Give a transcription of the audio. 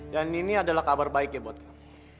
ini adalah kabar baik ya buat kamu